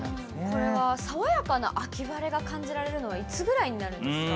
これは爽やかな秋晴れが感じられるのはいつぐらいになるんですか。